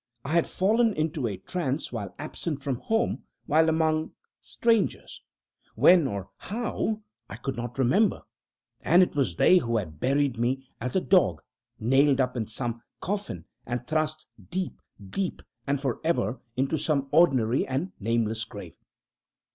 I had fallen into a trance while absent from home while among strangers when, or how, I could not remember and it was they who had buried me as a dog nailed up in some common coffin and thrust deep, deep, and for ever, into some ordinary and nameless grave.